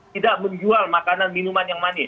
tidak menjual makanan minuman yang manis